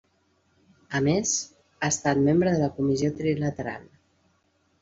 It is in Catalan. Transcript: A més, ha estat membre de la Comissió Trilateral.